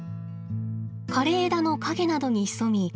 枯れ枝の陰などに潜み